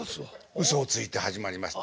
うそをついて始まりました。